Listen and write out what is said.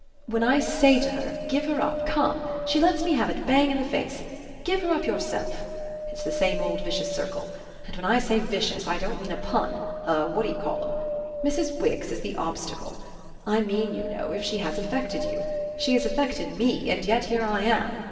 "When I say to her 'Give her up, come,' she lets me have it bang in the face: 'Give her up yourself!' It's the same old vicious circle and when I say vicious I don't mean a pun, a what d' ye call 'em. Mrs. Wix is the obstacle; I mean, you know, if she has affected you. She has affected ME, and yet here I am.